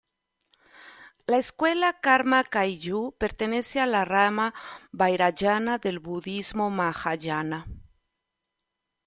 La escuela Karma Kagyu pertenece a la rama vajrayāna del budismo mahāyāna.